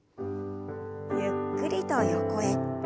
ゆっくりと横へ。